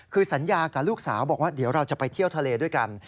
คือสัญญากับลูกสาวบอกว่าเดี๋ยวเราจะไปเที่ยวทะเลด้วยกัน